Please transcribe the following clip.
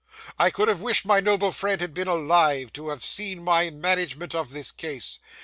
I could have wished my noble friend had been alive to have seen my management of this case.